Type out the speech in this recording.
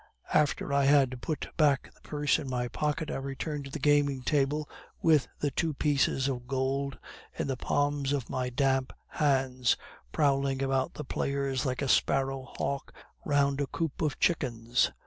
After I had put back the purse in my pocket, I returned to the gaming table with the two pieces of gold in the palms of my damp hands, prowling about the players like a sparrow hawk round a coop of chickens.